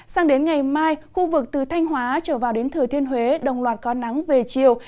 sang đến ngày mai khu vực từ thanh hóa trở vào đến thừa thiên huế đồng loạt có nắng về chiều